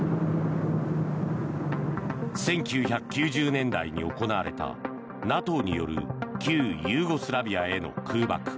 １９９０年代に行われたＮＡＴＯによる旧ユーゴスラビアへの空爆。